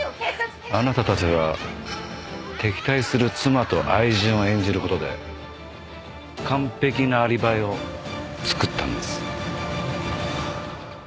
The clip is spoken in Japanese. あなたたちは敵対する妻と愛人を演じる事で完璧なアリバイを作ったんです。